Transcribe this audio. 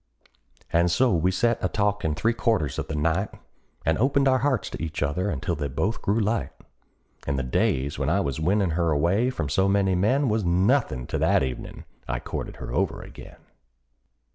And so we sat a talkin' three quarters of the night, And opened our hearts to each other until they both grew light; And the days when I was winnin' her away from so many men Was nothin' to that evenin' I courted her over again.